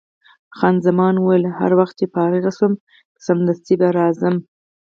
خان زمان وویل: هر وخت چې فارغه شوم، سمدستي به راځم.